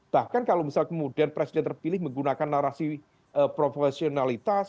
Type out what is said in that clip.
bahkan kalau misal kemudian presiden terpilih menggunakan narasi profesionalitas